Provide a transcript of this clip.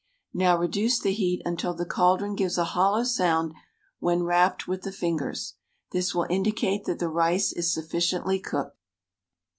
Now reduce the heat until the caldron gives a hollow sound when rapped with the fingers ; this will indicate that the rice is sufficiently cooked.